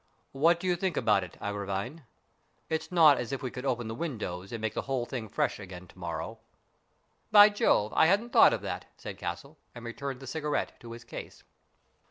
" What do you think about it, Agravine ? It's not as if we could open the windows and make the whole thing fresh again to morrow." " By Jove ! I hadn't thought of that," said Castle, and returned the cigarette to his case.